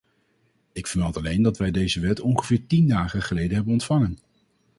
Ik vermeld alleen dat wij deze wet ongeveer tien dagen geleden hebben ontvangen.